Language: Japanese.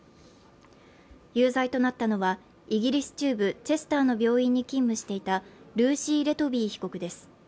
有罪となったのは、イギリス中部チェスターの病院に勤務していたルーシー・レトビー被告です。